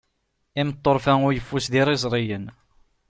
Imeṭṭurfa uyeffus d iriẓriyen.